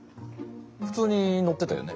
ふつうに乗ってたよね？